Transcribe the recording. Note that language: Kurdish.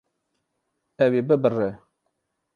Ew ê bibire.